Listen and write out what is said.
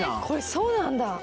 これそうなんだ。